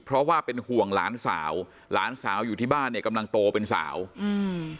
เพราะว่าเป็นห่วงหลานสาวหลานสาวอยู่ที่บ้านเนี่ยกำลังโตเป็นสาวอืม